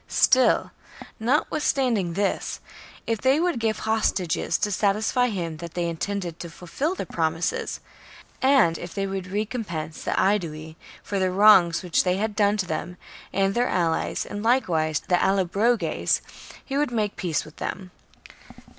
Still, notwithstanding this, if they would give hostages to satisfy him that they intended to fulfil their promises, and if they would recompense the Aedui for the wrongs which they had done to them and their but reject alHes, and likewise the Allobroges, he would his terms. '°' make peace with them.